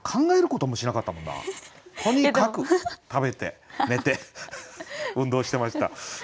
とにかく食べて寝て運動してました。